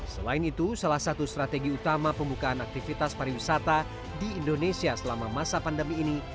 selain itu salah satu strategi utama pembukaan aktivitas pariwisata di indonesia selama masa pandemi ini